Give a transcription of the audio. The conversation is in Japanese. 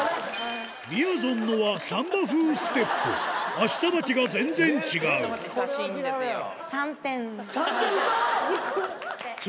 みやぞんのはサンバ風ステップ足さばきが全然違う３点⁉うそ！